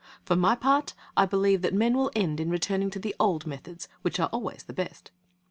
For my part, I believe that men will end in returning to the old methods, which are always the best.'